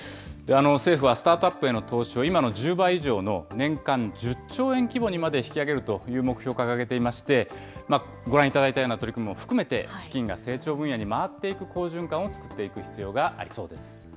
政府はスタートアップへの投資を今の１０倍以上の年間１０兆円規模にまで引き上げるという目標を掲げていまして、ご覧いただいたような取り組みも含めて資金が成長分野に回っていく好循環を作っていく必要がありそうです。